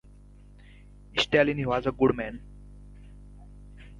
I shouldn't have any issue staying at home alone.